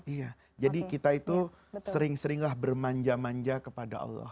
iya jadi kita itu sering seringlah bermanja manja kepada allah